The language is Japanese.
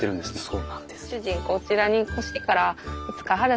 そうなんです。